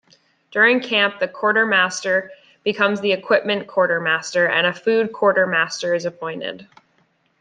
During camp, the quartermaster becomes the equipment quartermaster, and a food quartermaster is appointed.